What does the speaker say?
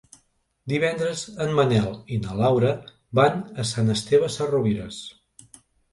Divendres en Manel i na Laura van a Sant Esteve Sesrovires.